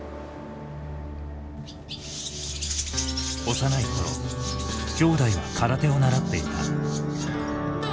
幼い頃兄弟は空手を習っていた。